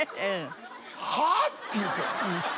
「はあ？」って言うて。